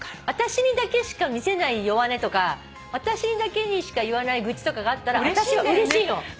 私にだけしか見せない弱音とか私にだけにしか言わない愚痴があったら私はうれしいの。